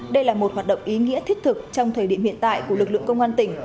đây là một hoạt động ý nghĩa thiết thực trong thời điểm hiện tại của lực lượng công an tỉnh